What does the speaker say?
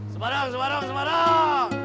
semarang semarang semarang